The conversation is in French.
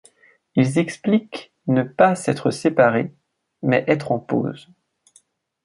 Ils expliquent ne pas s'être séparé, mais être en pause.